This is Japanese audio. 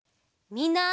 みんな！